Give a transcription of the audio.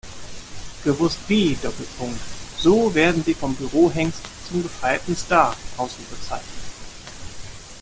Gewusst wie: So werden Sie vom Bürohengst zum gefeierten Star!